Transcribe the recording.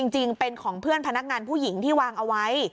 จริงเป็นของเพื่อนพนักงานผู้หญิงที่วางเอาไว้